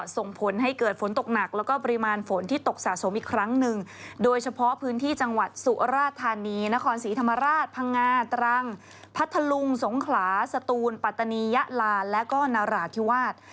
สมราชพังงาตรังพัทลุงสงขลาสตูลปัตนียะลานแล้วก็นราธิวาส